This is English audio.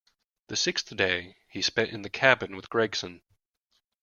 The sixth day he spent in the cabin with Gregson.